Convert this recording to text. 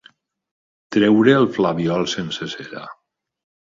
Treure el flabiol sense cera.